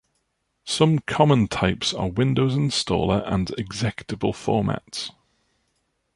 Some common types are Windows Installer and executable formats.